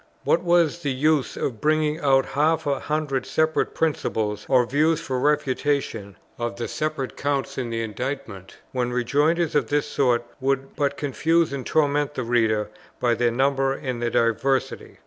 What was the use of bringing out half a hundred separate principles or views for the refutation of the separate counts in the Indictment, when rejoinders of this sort would but confuse and torment the reader by their number and their diversity?